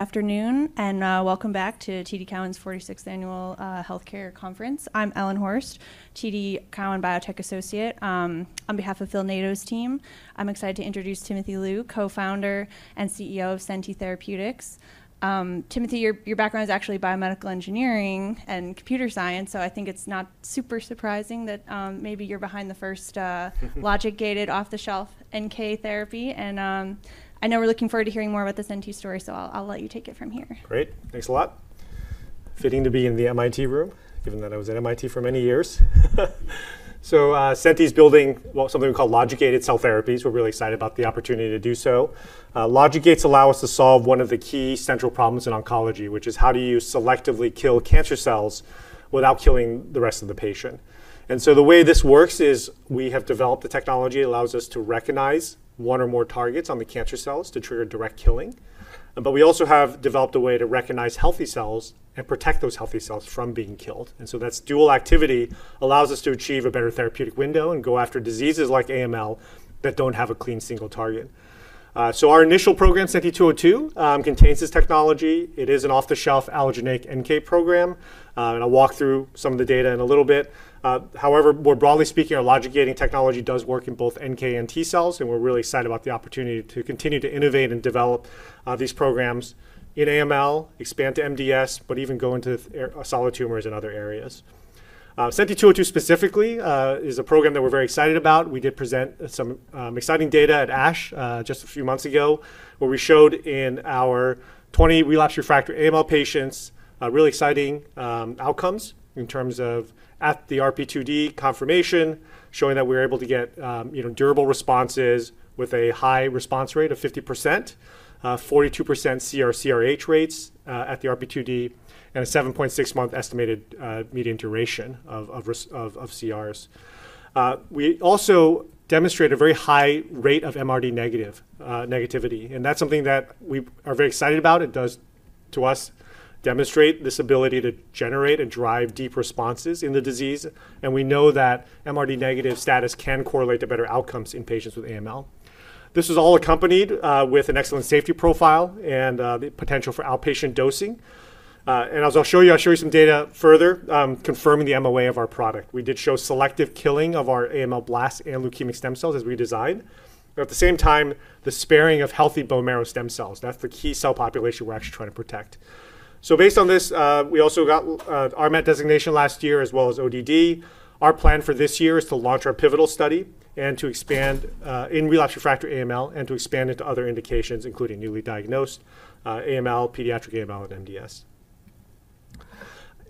Afternoon, welcome back to TD Cowen's 46th Annual Healthcare Conference. I'm Ellen Horste, TD Cowen Biotech Associate. On behalf of Phil Nadeau's team, I'm excited to introduce Timothy Lu, Co-founder and CEO of Senti Therapeutics. Timothy, your background is actually biomedical engineering and computer science, so I think it's not super surprising that maybe you're behind the first logic-gated off-the-shelf NK therapy. I know we're looking forward to hearing more about the Senti story, so I'll let you take it from here. Great. Thanks a lot. Fitting to be in the MIT room, given that I was at MIT for many years. Senti's building something we call logic-gated cell therapies. We're really excited about the opportunity to do so. Logic gates allow us to solve one of the key central problems in oncology, which is how do you selectively kill cancer cells without killing the rest of the patient? The way this works is we have developed the technology that allows us to recognize one or more targets on the cancer cells to trigger direct killing. We also have developed a way to recognize healthy cells and protect those healthy cells from being killed. That dual activity allows us to achieve a better therapeutic window and go after diseases like AML that don't have a clean single target. Our initial program, SENTI-202, contains this technology. It is an off-the-shelf allogeneic NK program. I'll walk through some of the data in a little bit. However, more broadly speaking, our logic-gating technology does work in both NK and T cells, and we're really excited about the opportunity to continue to innovate and develop these programs in AML, expand to MDS, but even go into solid tumors in other areas. SENTI-202 specifically is a program that we're very excited about. We did present some exciting data at ASH just a few months ago, where we showed in our 20 relapsed/refractory AML patients, really exciting outcomes in terms of at the RP2D confirmation, showing that we're able to get, you know, durable responses with a high response rate of 50%, 42% CR/CRh rates at the RP2D, and a 7.6-month estimated median duration of CRs. We also demonstrate a very high rate of MRD negative negativity, and that's something that we are very excited about. It does, to us, demonstrate this ability to generate and drive deep responses in the disease, and we know that MRD-negative status can correlate to better outcomes in patients with AML. This is all accompanied with an excellent safety profile and the potential for outpatient dosing. As I'll show you, I'll show you some data further confirming the MOA of our product. We did show selective killing of our AML blasts and leukemic stem cells as we designed, at the same time, the sparing of healthy bone marrow stem cells. That's the key cell population we're actually trying to protect. Based on this, we also got RMAT designation last year as well as ODD. Our plan for this year is to launch our pivotal study and to expand in relapsed/refractory AML and to expand into other indications, including newly diagnosed AML, pediatric AML, and MDS.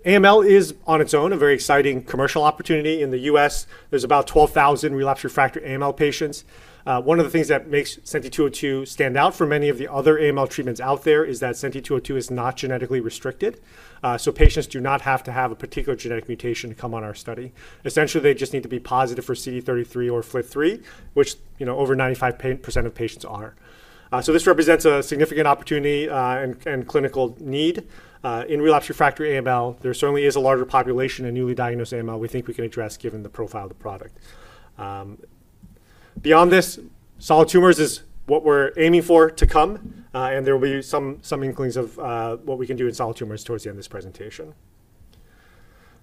AML is, on its own, a very exciting commercial opportunity. In the U.S., there's about 12,000 relapsed/refractory AML patients. One of the things that makes SENTI-202 stand out from many of the other AML treatments out there is that SENTI-202 is not genetically restricted. Patients do not have to have a particular genetic mutation to come on our study. Essentially, they just need to be positive for CD33 or FLT3, which, you know, over 95% of patients are. This represents a significant opportunity, and clinical need, in relapsed/refractory AML. There certainly is a larger population in newly diagnosed AML we think we can address given the profile of the product. Beyond this, solid tumors is what we're aiming for to come, there will be some inklings of what we can do in solid tumors towards the end of this presentation.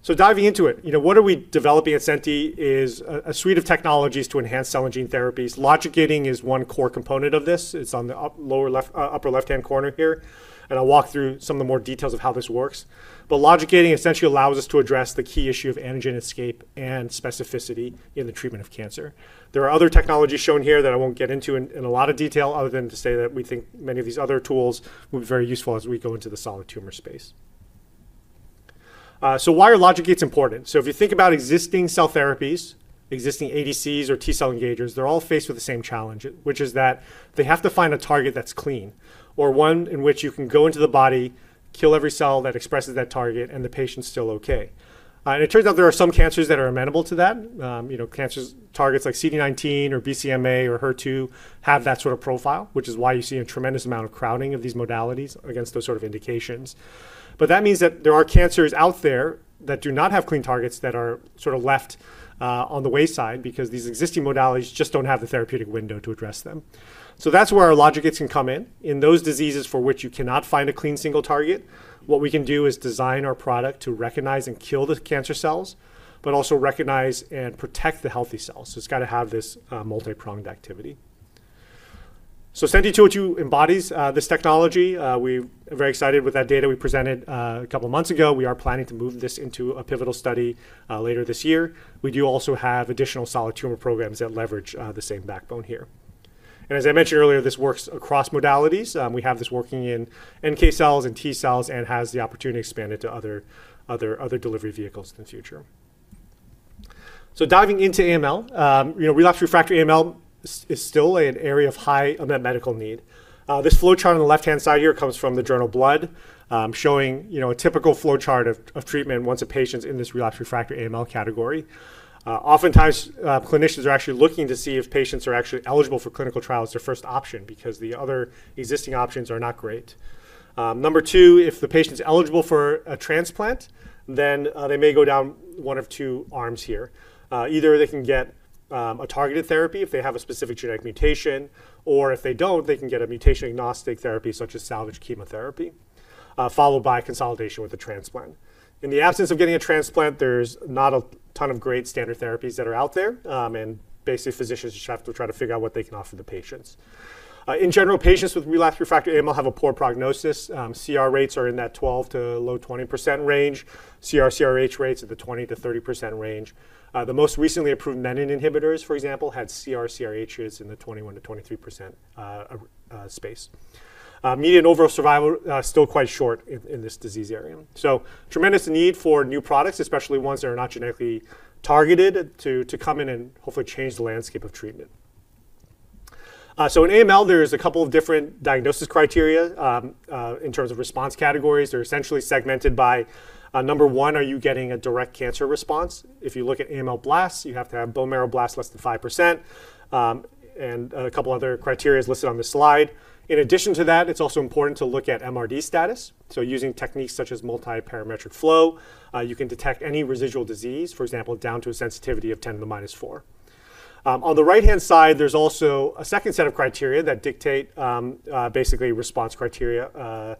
Diving into it, you know, what are we developing at Senti is a suite of technologies to enhance cell and gene therapies. Logic-gating is one core component of this. It's on the upper left-hand corner here, and I'll walk through some of the more details of how this works. Logic-gating essentially allows us to address the key issue of antigen escape and specificity in the treatment of cancer. There are other technologies shown here that I won't get into in a lot of detail other than to say that we think many of these other tools will be very useful as we go into the solid tumor space. Why are logic gates important? If you think about existing cell therapies, existing ADCs or T cell engagers, they're all faced with the same challenge, which is that they have to find a target that's clean or one in which you can go into the body, kill every cell that expresses that target, and the patient's still okay. And it turns out there are some cancers that are amenable to that. You know, cancers, targets like CD19 or BCMA or HER2 have that sort of profile, which is why you see a tremendous amount of crowding of these modalities against those sort of indications. That means that there are cancers out there that do not have clean targets that are sort of left on the wayside because these existing modalities just don't have the therapeutic window to address them. That's where our logic gates can come in. In those diseases for which you cannot find a clean single target, what we can do is design our product to recognize and kill the cancer cells, but also recognize and protect the healthy cells. It's gotta have this multi-pronged activity. SENTI-202 embodies this technology. We are very excited with that data we presented a couple of months ago. We are planning to move this into a pivotal study later this year. We do also have additional solid tumor programs that leverage the same backbone here. As I mentioned earlier, this works across modalities. We have this working in NK cells and T cells and has the opportunity to expand into other delivery vehicles in the future. Diving into AML, you know, relapsed/refractory AML is still an area of high unmet medical need. This flowchart on the left-hand side here comes from the journal Blood, showing, you know, a typical flowchart of treatment once a patient's in this relapsed/refractory AML category. Oftentimes, clinicians are actually looking to see if patients are actually eligible for clinical trials as their first option because the other existing options are not great. Number two, if the patient's eligible for a transplant, they may go down one of two arms here. Either they can get a targeted therapy if they have a specific genetic mutation, if they don't, they can get a mutation-agnostic therapy such as salvage chemotherapy, followed by consolidation with a transplant. In the absence of getting a transplant, there's not a ton of great standard therapies that are out there, basically physicians just have to try to figure out what they can offer the patients. In general, patients with relapsed/refractory AML have a poor prognosis. CR rates are in that 12 to low 20% range, CR/CRh rates at the 20%-30% range. The most recently approved Menin inhibitors, for example, had CR/CRh rates in the 21%-23% space. Median overall survival still quite short in this disease area. Tremendous need for new products, especially ones that are not genetically targeted to come in and hopefully change the landscape of treatment. In AML, there is a couple of different diagnosis criteria in terms of response categories. They're essentially segmented by, number one, are you getting a direct cancer response? If you look at AML blasts, you have to have bone marrow blasts less than 5%, and a couple other criteria listed on this slide. In addition to that, it's also important to look at MRD status. Using techniques such as multiparametric flow, you can detect any residual disease, for example, down to a sensitivity of 10 to the -4. On the right-hand side, there's also a second set of criteria that dictate basically response criteria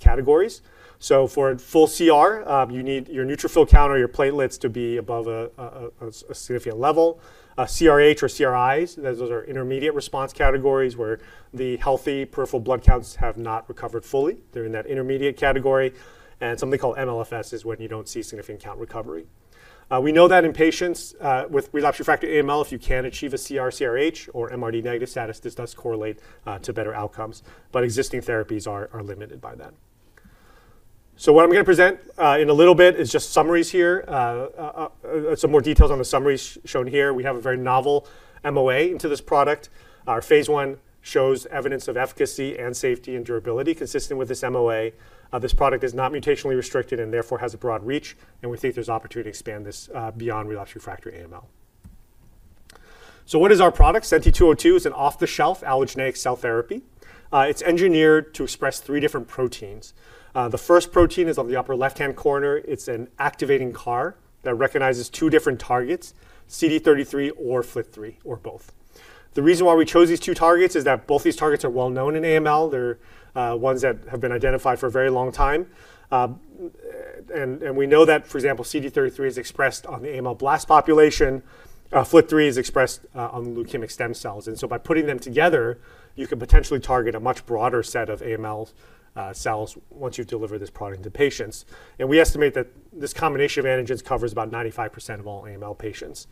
categories. For a full CR, you need your neutrophil count or your platelets to be above a significant level. CRh or CRi, those are intermediate response categories where the healthy peripheral blood counts have not recovered fully. They're in that intermediate category. Something called MLFS is when you don't see significant count recovery. We know that in patients, with relapsed/refractory AML, if you can achieve a CR/CRh or MRD negative status, this does correlate, to better outcomes, but existing therapies are limited by that. What I'm gonna present, in a little bit is just summaries here. Some more details on the summaries shown here. We have a very novel MOA into this product. Our phase I shows evidence of efficacy and safety and durability consistent with this MOA. This product is not mutationally restricted and therefore has a broad reach, and we think there's opportunity to expand this, beyond relapsed/refractory AML. What is our product? SENTI-202 is an off-the-shelf allogeneic cell therapy. It's engineered to express three different proteins. The first protein is on the upper left-hand corner. It's an activating CAR that recognizes two different targets, CD33 or FLT3, or both. The reason why we chose these two targets is that both these targets are well known in AML. They're ones that have been identified for a very long time. And we know that, for example, CD33 is expressed on the AML blast population. FLT3 is expressed on leukemic stem cells. By putting them together, you can potentially target a much broader set of AML cells once you deliver this product to patients. We estimate that this combination of antigens covers about 95% of all AML patients.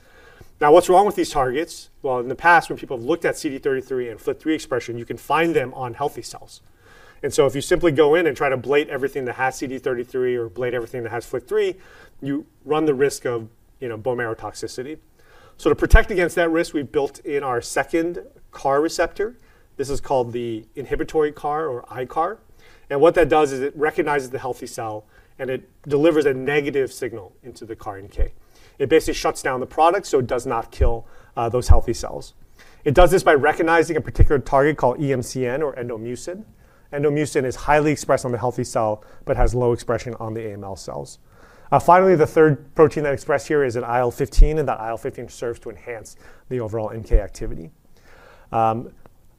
What's wrong with these targets? In the past, when people have looked at CD33 and FLT3 expression, you can find them on healthy cells. If you simply go in and try to ablate everything that has CD33 or ablate everything that has FLT3, you run the risk of, you know, bone marrow toxicity. To protect against that risk, we built in our second CAR receptor. This is called the inhibitory CAR or iCAR. What that does is it recognizes the healthy cell, and it delivers a negative signal into the CAR NK. It basically shuts down the product, so it does not kill those healthy cells. It does this by recognizing a particular target called EMCN or endomucin. Endomucin is highly expressed on the healthy cell but has low expression on the AML cells. Finally, the third protein I expressed here is an IL-15, and that IL-15 serves to enhance the overall NK activity.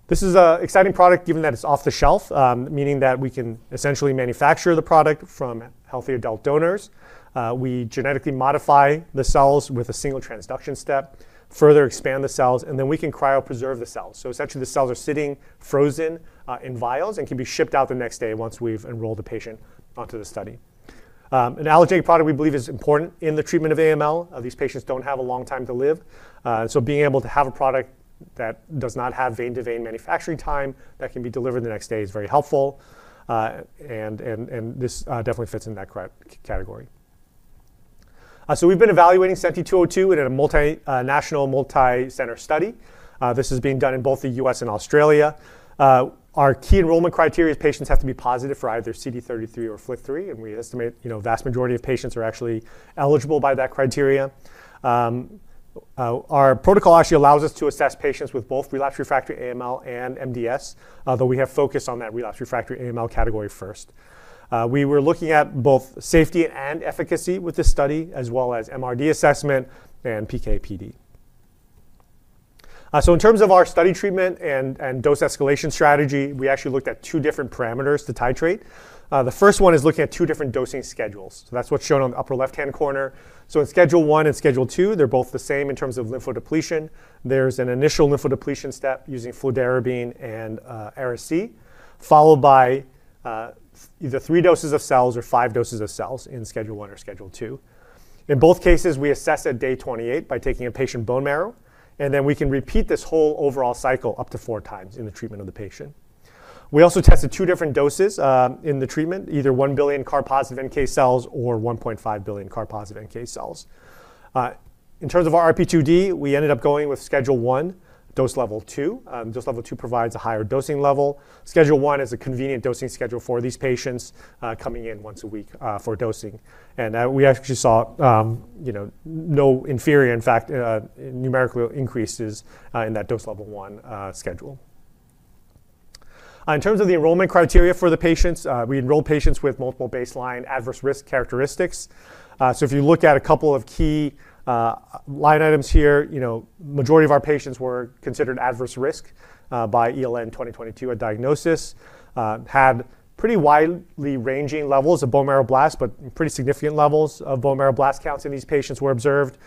This is an exciting product given that it's off the shelf, meaning that we can essentially manufacture the product from healthy adult donors. We genetically modify the cells with a single transduction step, further expand the cells, then we can cryopreserve the cells. Essentially, the cells are sitting frozen in vials and can be shipped out the next day once we've enrolled the patient onto the study. An allogeneic product we believe is important in the treatment of AML. These patients don't have a long time to live. Being able to have a product that does not have vein-to-vein manufacturing time that can be delivered the next day is very helpful. This definitely fits in that category. We've been evaluating SENTI-202 in a national multicenter study. This is being done in both the U.S. and Australia. Our key enrollment criteria is patients have to be positive for either CD33 or FLT3. We estimate, you know, vast majority of patients are actually eligible by that criteria. Our protocol actually allows us to assess patients with both relapsed/refractory AML and MDS, though we have focused on that relapsed/refractory AML category first. We were looking at both safety and efficacy with this study, as well as MRD assessment and PK/PD. In terms of our study treatment and dose escalation strategy, we actually looked at two different parameters to titrate. The first one is looking at two different dosing schedules. That's what's shown on the upper left-hand corner. In Schedule 1 and Schedule 2, they're both the same in terms of lymphodepletion. There's an initial lymphodepletion step using fludarabine and Ara-C, followed by either three doses of cells or five doses of cells in Schedule 1 or Schedule 2. In both cases, we assess at day 28 by taking a patient bone marrow, and then we can repeat this whole overall cycle up to 4x in the treatment of the patient. We also tested two different doses in the treatment, either 1 billion CAR-positive NK cells or 1.5 billion CAR-positive NK cells. In terms of our RP2D, we ended up going with Schedule 1, Dose Level 2. Dose Level 2 provides a higher dosing level. Schedule 1 is a convenient dosing schedule for these patients, coming in once a week for dosing. That we actually saw, you know, no inferior, in fact, numerically increases, in that dose level one schedule. In terms of the enrollment criteria for the patients, we enroll patients with multiple baseline adverse risk characteristics. If you look at a couple of key line items here, you know, majority of our patients were considered adverse risk by ELN 2022 at diagnosis, had pretty widely ranging levels of bone marrow blast, but pretty significant levels of bone marrow blast counts in these patients were observed.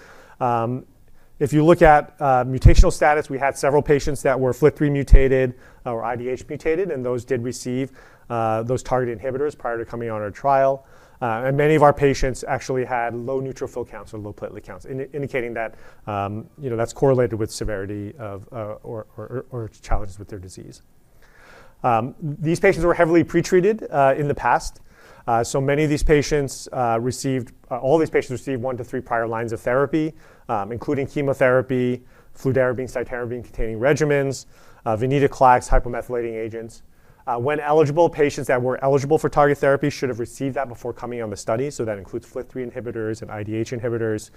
If you look at mutational status, we had several patients that were FLT3 mutated or IDH mutated, and those did receive those target inhibitors prior to coming on our trial. Many of our patients actually had low neutrophil counts or low platelet counts indicating that, you know, that's correlated with severity of or challenges with their disease. These patients were heavily pretreated in the past. All these patients received one to three prior lines of therapy, including chemotherapy, fludarabine, cytarabine-containing regimens, Venetoclax, hypomethylating agents. When eligible, patients that were eligible for targeted therapy should have received that before coming on the study, that includes FLT3 inhibitors and IDH inhibitors.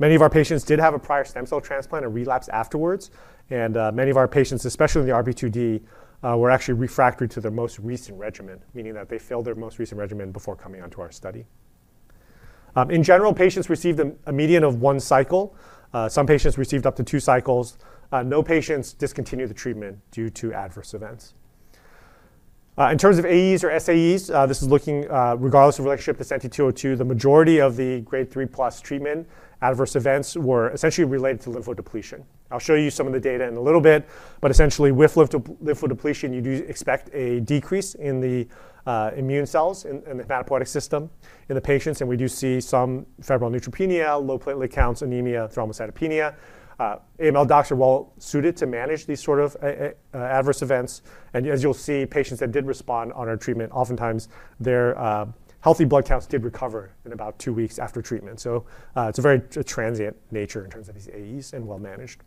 Many of our patients did have a prior stem cell transplant or relapse afterwards. Many of our patients, especially in the RP2D, were actually refractory to their most recent regimen, meaning that they failed their most recent regimen before coming onto our study. In general, patients received a median of 1 cycle. Some patients received up to 2 cycles. No patients discontinued the treatment due to adverse events. In terms of AEs or SAEs, this is looking, regardless of relationship to SENTI-202, the majority of the grade 3+ treatment adverse events were essentially related to lymphodepletion. I'll show you some of the data in a little bit. Essentially, with lymphodepletion, you do expect a decrease in the immune cells in the hematopoietic system in the patients, and we do see some febrile neutropenia, low platelet counts, anemia, thrombocytopenia. AML doctor well suited to manage these sort of adverse events. As you'll see, patients that did respond on our treatment, oftentimes their healthy blood counts did recover in about two weeks after treatment. It's a very transient nature in terms of these AEs and well-managed. In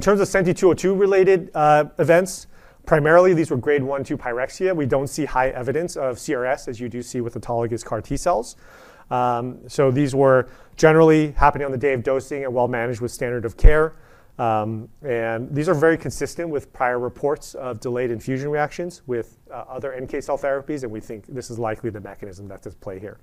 terms of SENTI-202-related events, primarily, these were grade 1, 2 pyrexia. We don't see high evidence of CRS as you do see with autologous CAR-T cells. These were generally happening on the day of dosing and well-managed with standard of care. These are very consistent with prior reports of delayed infusion reactions with other NK cell therapies, and we think this is likely the mechanism that's at play here.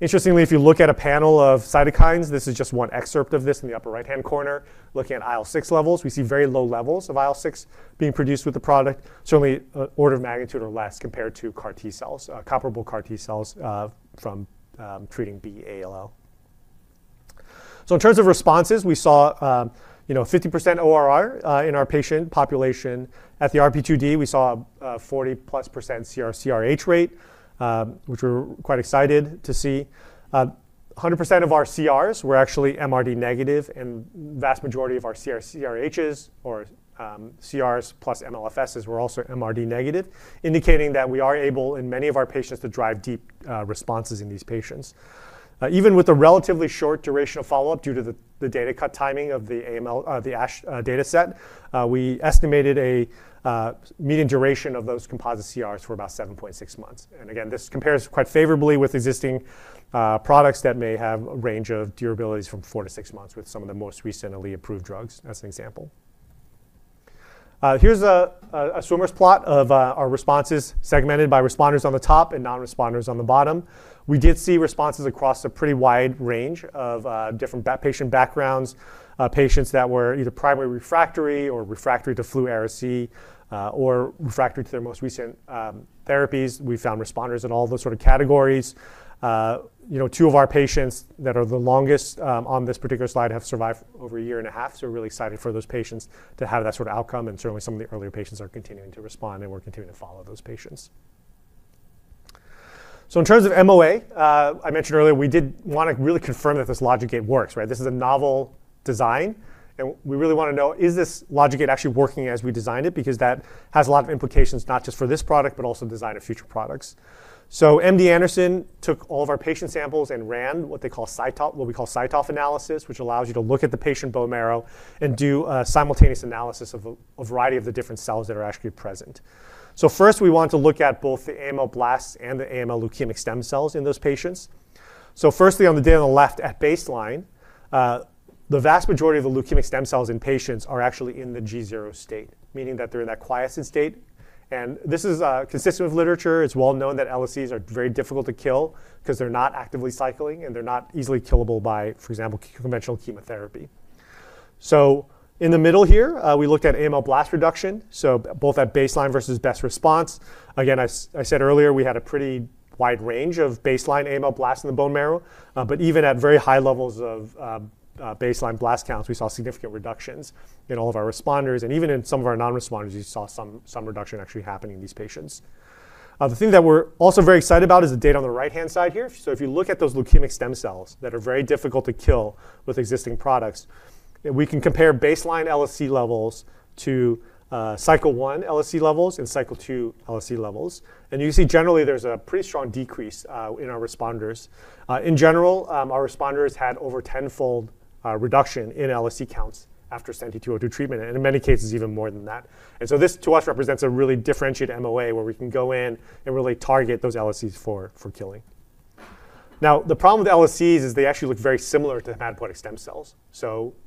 Interestingly, if you look at a panel of cytokines, this is just one excerpt of this in the upper right-hand corner. Looking at IL-6 levels, we see very low levels of IL-6 being produced with the product, certainly an order of magnitude or less compared to CAR-T cells, comparable CAR-T cells from treating B-ALL. In terms of responses, we saw, you know, 50% ORR in our patient population. At the RP2D, we saw a 40%+ CR/CRh rate, which we're quite excited to see. 100% of our CRs were actually MRD negative, and vast majority of our CR/CRhs or CRs plus MLFS were also MRD negative, indicating that we are able, in many of our patients, to drive deep responses in these patients. Even with the relatively short durational follow-up, due to the data cut timing of the ASH dataset, we estimated a median duration of those composite CRs for about 7.6 months. Again, this compares quite favorably with existing products that may have a range of durabilities from four to six months with some of the most recent LE-approved drugs as an example. Here's a swimmer's plot of our responses segmented by responders on the top and non-responders on the bottom. We did see responses across a pretty wide range of different patient backgrounds. Patients that were either primary refractory or refractory to Flu/Ara-C or refractory to their most recent therapies. We found responders in all those sort of categories. You know, two of our patients that are the longest on this particular slide have survived over a year and a half, so we're really excited for those patients to have that sort of outcome. Certainly, some of the earlier patients are continuing to respond, and we're continuing to follow those patients. In terms of MOA, I mentioned earlier, we did wanna really confirm that this logic gate works, right? This is a novel design, and we really wanna know, is this logic gate actually working as we designed it? That has a lot of implications, not just for this product, but also the design of future products. MD Anderson took all of our patient samples and ran what they call CyTOF analysis, which allows you to look at the patient bone marrow and do a simultaneous analysis of a variety of the different cells that are actually present. First, we want to look at both the AML blasts and the AML Leukemic Stem Cells in those patients. Firstly, on the data on the left at baseline, the vast majority of the Leukemic Stem Cells in patients are actually in the G0 state, meaning that they're in that quiescent state. This is consistent with literature. It's well known that LSCs are very difficult to kill because they're not actively cycling and they're not easily killable by, for example, conventional chemotherapy. In the middle here, we looked at AML blast reduction, both at baseline versus best response. Again, as I said earlier, we had a pretty wide range of baseline AML blasts in the bone marrow. but even at very high levels of baseline blast counts, we saw significant reductions in all of our responders and even in some of our non-responders, you saw some reduction actually happening in these patients. The thing that we're also very excited about is the data on the right-hand side here. If you look at those Leukemic Stem Cells that are very difficult to kill with existing products, we can compare baseline LSC levels to cycle 1 LSC levels and cycle 2 LSC levels. You see generally there's a pretty strong decrease in our responders. In general, our responders had over 10-fold reduction in LSC counts after SENTI-202 treatment, and in many cases even more than that. This to us represents a really differentiated MOA, where we can go in and really target those LSCs for killing. The problem with LSCs is they actually look very similar to Hematopoietic Stem Cells.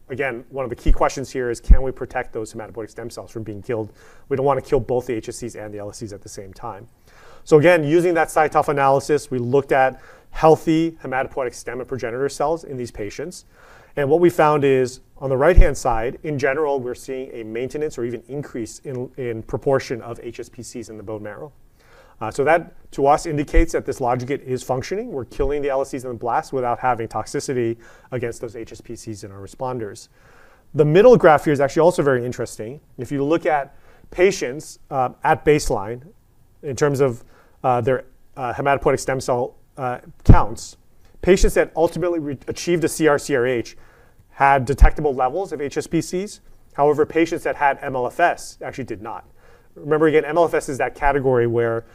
Again, one of the key questions here is can we protect those Hematopoietic Stem Cells from being killed? We don't wanna kill both the HSCs and the LSCs at the same time. Again, using that CyTOF analysis, we looked at healthy hematopoietic stem and progenitor cells in these patients. What we found is on the right-hand side, in general, we're seeing a maintenance or even increase in proportion of HSPCs in the bone marrow. That to us indicates that this logic gate is functioning. We're killing the LSCs and the blasts without having toxicity against those HSPCs in our responders. The middle graph here is actually also very interesting. If you look at patients at baseline in terms of their hematopoietic stem cell counts, patients that ultimately re-achieved a CR/CRh had detectable levels of HSPCs. However, patients that had MLFS actually did not. Remember again, MLFS is that category where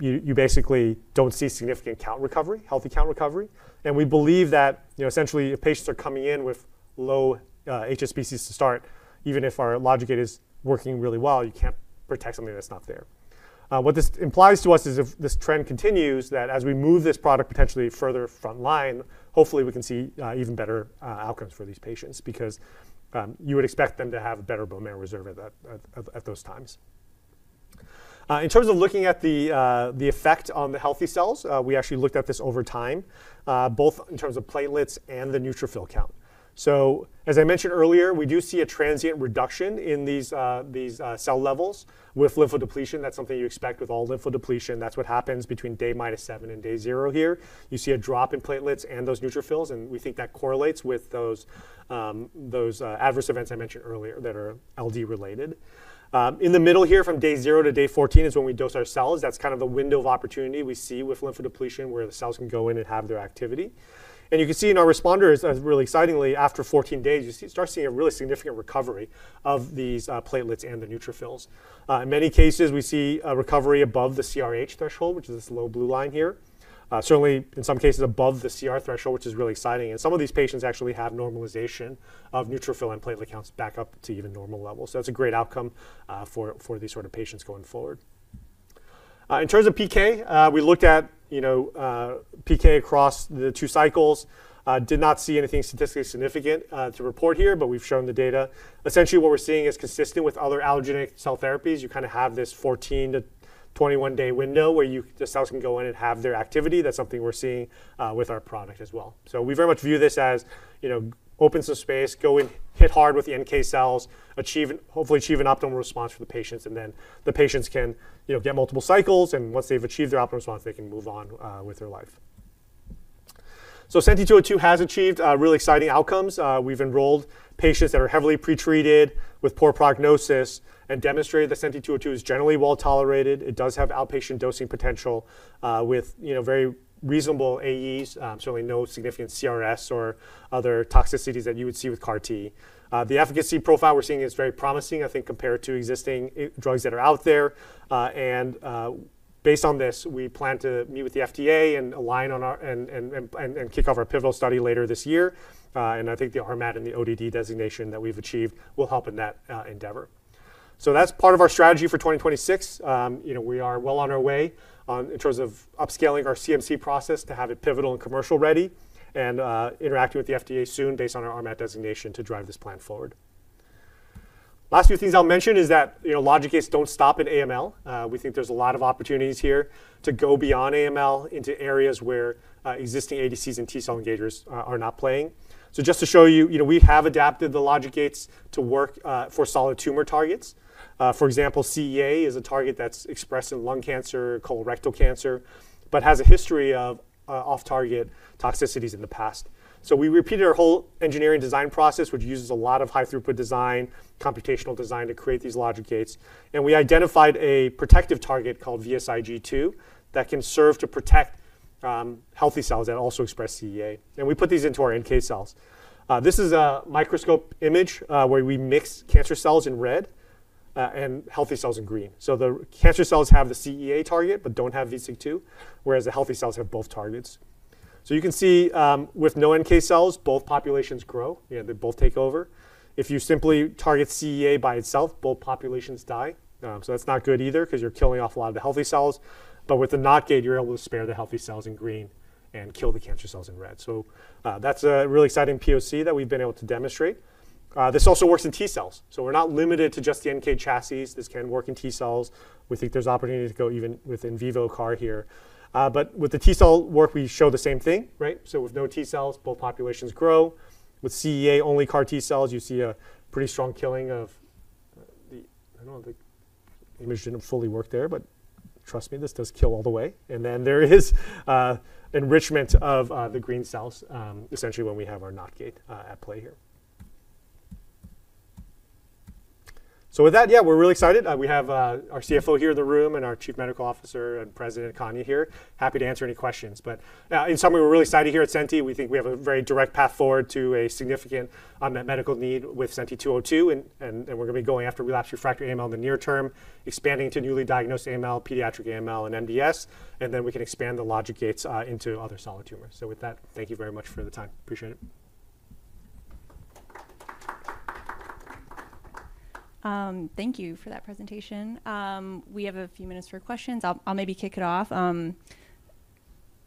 you basically don't see significant count recovery, healthy count recovery. We believe that, you know, essentially if patients are coming in with low HSPCs to start, even if our logic gate is working really well, you can't protect something that's not there. What this implies to us is if this trend continues, that as we move this product potentially further frontline, hopefully we can see even better outcomes for these patients because you would expect them to have better bone marrow reserve at those times. In terms of looking at the effect on the healthy cells, we actually looked at this over time, both in terms of platelets and the neutrophil count. As I mentioned earlier, we do see a transient reduction in these cell levels with lymphodepletion. That's something you expect with all lymphodepletion. That's what happens between day -7 and day 0 here. You see a drop in platelets and those neutrophils, and we think that correlates with those adverse events I mentioned earlier that are LD related. In the middle here from day 0 to day 14 is when we dose our cells. That's kind of the window of opportunity we see with lymphodepletion where the cells can go in and have their activity. You can see in our responders, really excitingly, after 14 days, you start seeing a really significant recovery of these platelets and the neutrophils. In many cases, we see a recovery above the CRh threshold, which is this low blue line here. Certainly in some cases above the CR threshold, which is really exciting. Some of these patients actually have normalization of neutrophil and platelet counts back up to even normal levels. That's a great outcome for these sort of patients going forward. In terms of PK, we looked at, you know, PK across the 2 cycles. Did not see anything statistically significant to report here, we've shown the data. Essentially what we're seeing is consistent with other allogeneic cell therapies. You kinda have this 14-21 day window where the cells can go in and have their activity. That's something we're seeing with our product as well. We very much view this as, you know, open some space, go in, hit hard with the NK cells, hopefully achieve an optimal response for the patients and then the patients can, you know, get multiple cycles and once they've achieved their optimal response, they can move on with their life. SENTI-202 has achieved really exciting outcomes. We've enrolled patients that are heavily pretreated with poor prognosis and demonstrated that SENTI-202 is generally well-tolerated. It does have outpatient dosing potential, with, you know, very reasonable AEs, certainly no significant CRS or other toxicities that you would see with CAR-T. The efficacy profile we're seeing is very promising, I think compared to existing drugs that are out there. Based on this, we plan to meet with the FDA and align on our... Kick off our pivotal study later this year. I think the RMAT and the ODD designation that we've achieved will help in that endeavor. That's part of our strategy for 2026. You know, we are well on our way in terms of upscaling our CMC process to have it pivotal and commercial ready and interacting with the FDA soon based on our RMAT designation to drive this plan forward. Last few things I'll mention is that, you know, logic gates don't stop at AML. We think there's a lot of opportunities here to go beyond AML into areas where existing ADCs and T cell engagers are not playing. Just to show you know, we have adapted the logic gates to work for solid tumor targets. For example, CEA is a target that's expressed in lung cancer, colorectal cancer, but has a history of off-target toxicities in the past. We repeated our whole engineering design process, which uses a lot of high throughput design, computational design to create these logic gates. We identified a protective target called VSIG2 that can serve to protect healthy cells that also express CEA. We put these into our NK cells. This is a microscope image where we mix cancer cells in red and healthy cells in green. The cancer cells have the CEA target but don't have VSIG2, whereas the healthy cells have both targets. You can see, with no NK cells, both populations grow and they both take over. If you simply target CEA by itself, both populations die. That's not good either 'cause you're killing off a lot of the healthy cells. With the NOT gate, you're able to spare the healthy cells in green and kill the cancer cells in red. That's a really exciting POC that we've been able to demonstrate. This also works in T cells, so we're not limited to just the NK chassis. This can work in T cells. We think there's opportunity to go even with in vivo CAR here. With the T cell work, we show the same thing, right? With no T cells, both populations grow. With CEA-only CAR-T cells, you see a pretty strong killing of. I know the image didn't fully work there, but trust me, this does kill all the way. There is enrichment of the green cells, essentially when we have our NOT gate at play here. Yeah, we're really excited. We have our CFO here in the room and our Chief Medical Officer and President Kanya here. Happy to answer any questions. In summary, we're really excited here at Senti. We think we have a very direct path forward to a significant unmet medical need with SENTI-202. We're gonna be going after relapsed refractory AML in the near term, expanding to newly diagnosed AML, pediatric AML and MDS, and then we can expand the logic gates into other solid tumors. Thank you very much for the time. Appreciate it. Thank you for that presentation. We have a few minutes for questions. I'll maybe kick it off.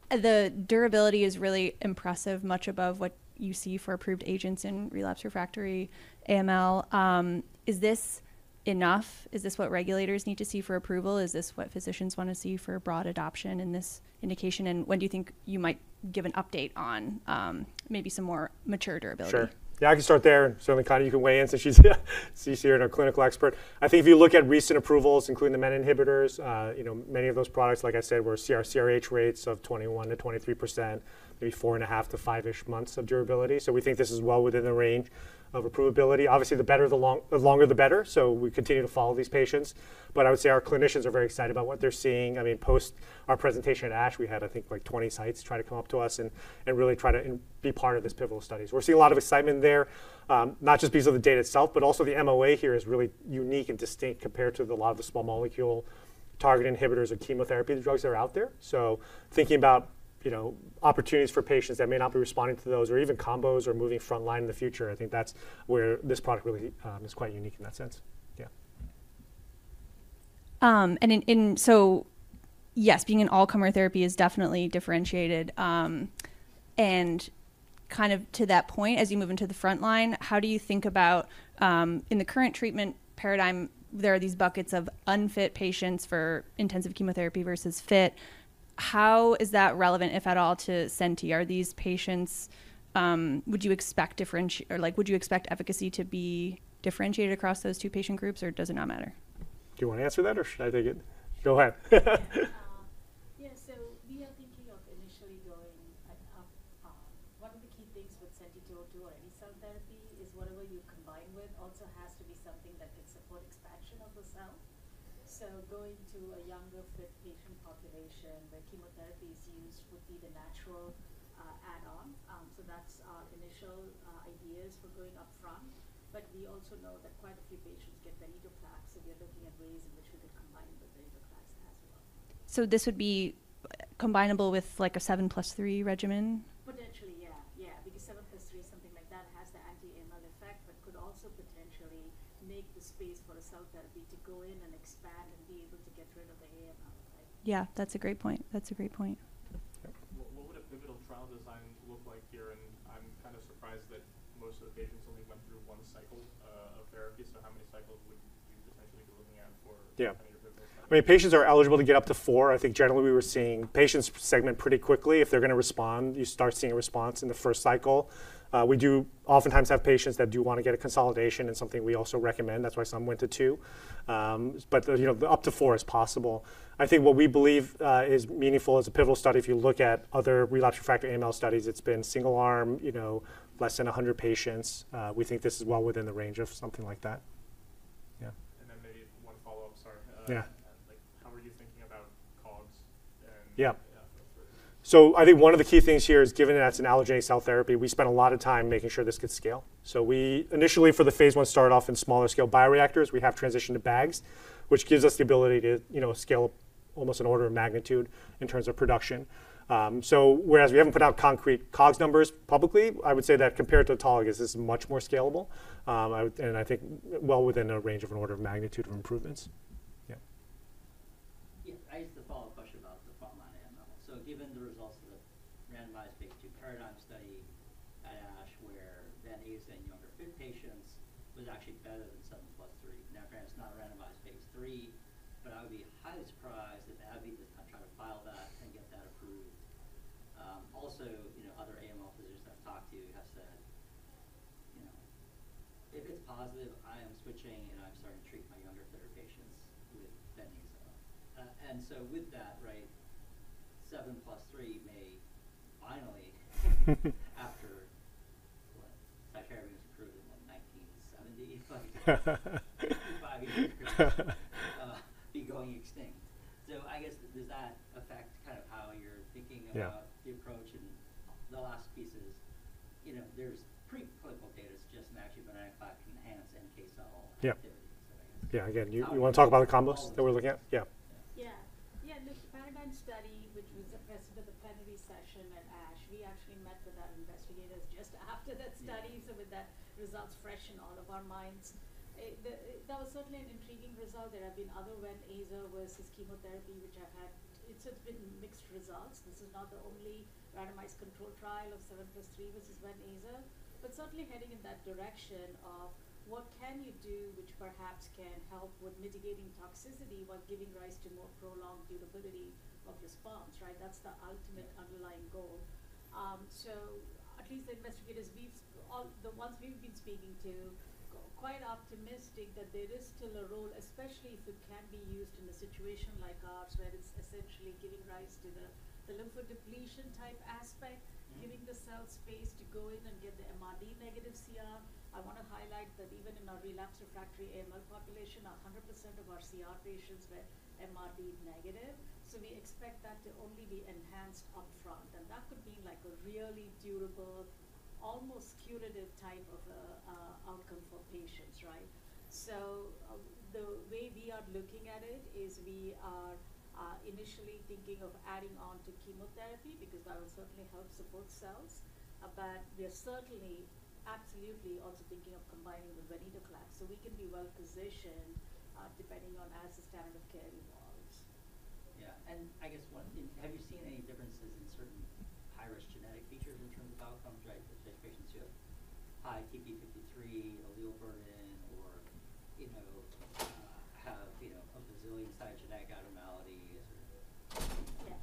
The durability is really impressive, much above what you see for approved agents in relapsed refractory AML. Is this enough? Is this what regulators need to see for approval? Is this what physicians wanna see for broad adoption in this indication? When do you think you might give an update on maybe some more mature durability? Sure. Yeah, I can start there. Certainly, Kanya, you can weigh in since she's CC and our clinical expert. I think if you look at recent approvals, including the MEK inhibitors, you know, many of those products, like I said, were CR/CRh rates of 21%-23%, maybe 4.5 to 5-ish months of durability. We think this is well within the range of approvability. Obviously, the better, the longer, the better. We continue to follow these patients. I would say our clinicians are very excited about what they're seeing. I mean, post our presentation at ASH, we had, I think, like 20 sites try to come up to us and really try to and be part of this pivotal study. We're seeing a lot of excitement there, not just because of the data itself, but also the MOA here is really unique and distinct compared to the lot of the small molecule target inhibitors or chemotherapy drugs that are out there. Thinking about, you know, opportunities for patients that may not be responding to those or even combos or moving front line in the future, I think that's where this product really is quite unique in that sense. Yeah. In... Yes, being an all-comer therapy is definitely differentiated. Kind of to that point, as you move into the front line, how do you think about, in the current treatment paradigm, there are these buckets of unfit patients for intensive chemotherapy versus fit. How is that relevant, if at all, to Senti? Are these patients, or like would you expect efficacy to be differentiated across those two patient groups, or does it not matter? Do you wanna answer that or should I take it? Go ahead. Yeah. We are thinking of initially going up. One of the key things with SENTI-202 or any cell therapy is whatever you combine with also has to be something that can support expansion of the cell. Going to a younger fit patient population where chemotherapy is used would be the natural add on. That's our initial ideas for going up front. We also know that quite a few patients get Venetoclax. We are looking at ways in which we could combine the Venetoclax as well. This would be combinable with like a 7+3 regimen? Potentially, yeah. Yeah. 7+3, something like that, has the anti-AML effect, but could also potentially make the space for the cell therapy to go in and expand and be able to get rid of the AML, right? Yeah, that's a great point. That's a great point. What would a pivotal trial design look like here? I'm kind of surprised that most of the patients only went through one cycle of therapy. How many cycles would you potentially be looking at kind of your pivotal study? I mean, patients are eligible to get up to four. I think generally we were seeing patients segment pretty quickly. If they're gonna respond, you start seeing a response in the first cycle. We do oftentimes have patients that do wanna get a consolidation and something we also recommend. That's why some went to two. You know, up to four is possible. I think what we believe is meaningful as a pivotal study, if you look at other relapsed refractory AML studies, it's been single arm, you know, less than 100 patients. We think this is well within the range of something like that. Yeah. Maybe one follow-up. Sorry. Yeah. Like how are you thinking about COGS and. Yeah. I think one of the key things here is given that it's an allogeneic cell therapy, we spent a lot of time making sure this could scale. We initially for the phase I started off in smaller scale bioreactors. We have transitioned to bags, which gives us the ability to, you know, scale almost an order of magnitude in terms of production. So whereas we haven't put out concrete COGS numbers publicly, I would say that compared to autologous, this is much more scalable. And I think well within a range of an order of magnitude of improvements. Yeah. Yeah. I used the follow-up question about the front line AML. Given the results of the randomized phase II PARADIGM study at ASH, where VEN+AZA and younger fit patients was actually better than 7+3. Granted it's not a randomized phase III, but I would be highly surprised if AbbVie does not try to file that and get that approved. Also, you know, other AML physicians I've talked to have said, you know, "If it's positive, I am switching and I'm starting to treat my younger fitter patients with VEN+AZA." With that, right, 7+3 may finally after, what, Cytoxin was approved in, what, 1970, like 55 years, be going extinct. I guess does that affect kind of how you're thinking about- Yeah... the approach? The last piece is, you know, there's preclinical data suggesting that actually Venetoclax can enhance NK cell activity. Yeah. Again, you wanna talk about the combos that we're looking at? Yeah. Yeah. Yeah. The PARADIGM study, which was the president of the plenary session at ASH, we actually met with our investigators just after that study. Yeah. With that results fresh in all of our minds. That was certainly an intriguing result. There have been other VEN+AZA versus chemotherapy which have had. It's just been mixed results. This is not the only randomized controlled trial of 7+3 versus VEN+AZA. Certainly heading in that direction of what can you do which perhaps can help with mitigating toxicity while giving rise to more prolonged durability of response, right? That's the ultimate underlying goal. At least the investigators All the ones we've been speaking to, quite optimistic that there is still a role, especially if it can be used in a situation like ours, where it's essentially giving rise to the lymphodepletion type aspect. Mm-hmm. -giving the cell space to go in and get the MRD negative CR. I wanna highlight that even in our relapsed/refractory AML population, 100% of our CR patients were MRD negative. We expect that to only be enhanced upfront, and that could be like a really durable, almost curative type of outcome for patients, right? The way we are looking at it is we are initially thinking of adding on to chemotherapy because that will certainly help support cells. We are certainly, absolutely also thinking of combining with Venetoclax so we can be well-positioned depending on as the standard of care evolves. Yeah. I guess one thing, have you seen any differences in certain high-risk genetic features in terms of outcomes, right? For patients who have high TP53 allele burden or, you know, have, you know, a bazillion cytogenetic abnormalities or Yeah.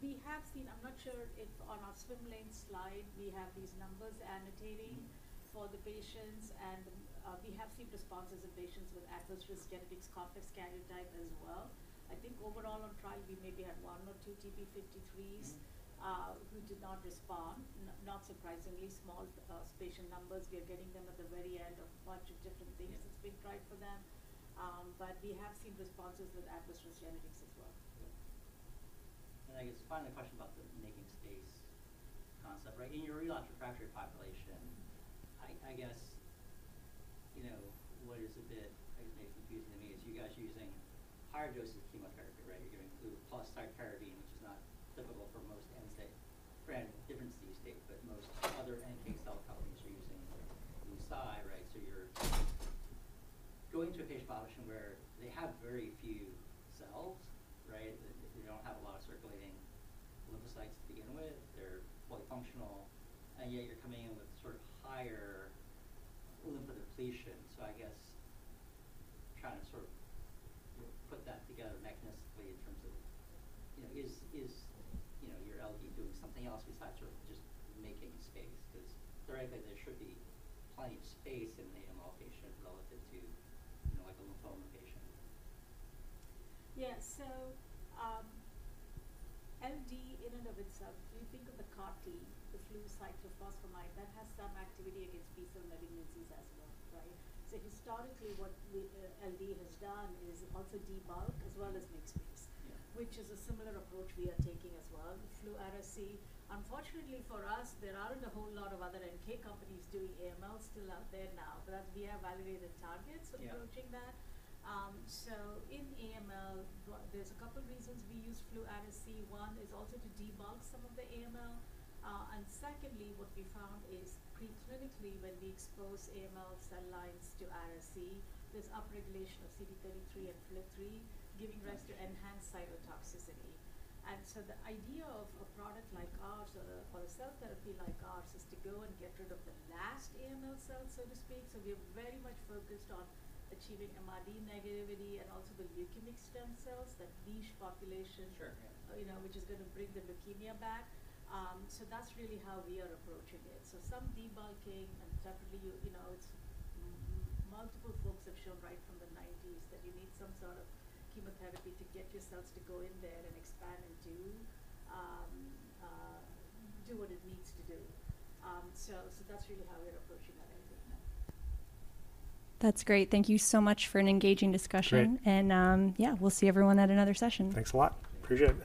We have seen... I'm not sure if on our swim lane slide we have these numbers annotating... Mm-hmm. -for the patients and, we have seen responses in patients with adverse genetics complex karyotype as well. I think overall on trial we maybe had one or two TP53s... Mm-hmm. who did not respond. Not surprisingly, small, patient numbers. We are getting them at the very end of a bunch of different things- Yeah. that's been tried for them. We have seen responses with adverse genetics as well. Yeah. I guess finally, a question about the making space concept, right? In your relapsed/refractory population, I guess, you know, what is a bit, I guess, maybe confusing to me is you guys are using higher doses of chemotherapy, right? You're giving Flu plus cytarabine, which is not typical for most NK. Granted, different disease state, but most other NK cell companies are using like Flu/Cy, right? So you're going to a patient population where they have very few cells, right? They don't have a lot of circulating lymphocytes to begin with. They're fully functional, and yet you're coming in with sort of higher lymphodepletion. So I guess trying to sort of put that together mechanistically in terms of, you know, is, you know, your LD doing something else besides sort of just making space? Theoretically there should be plenty of space in an AML patient relative to, you know, like a lymphoma patient. Yeah. LD in and of itself, if you think of the CAR-T, the flu cyclophosphamide, that has some activity against B cell malignancies as well, right? Historically, what the LD has done is also debulk as well as make space. Yeah. Which is a similar approach we are taking as well with Flu/Ara-C. Unfortunately for us, there aren't a whole lot of other NK companies doing AML still out there now, but we have validated targets... Yeah. Approaching that. In AML, there's a couple reasons we use Flu/Ara-C. One is also to debulk some of the AML. Secondly, what we found is preclinically when we expose AML cell lines to Ara-C, there's upregulation of CD33 and FLT3 giving rise to enhanced cytotoxicity. The idea of a product like ours or a cell therapy like ours is to go and get rid of the last AML cells, so to speak. We are very much focused on achieving MRD negativity and also the Leukemic Stem Cells, that niche population... Sure. Yeah. you know, which is gonna bring the leukemia back. That's really how we are approaching it. Some debulking and definitely, you know, it's multiple folks have shown right from the 90s that you need some sort of chemotherapy to get your cells to go in there and expand and do what it needs to do. That's really how we're approaching that anyway. That's great. Thank you so much for an engaging discussion. Great. Yeah, we'll see everyone at another session. Thanks a lot. Appreciate it.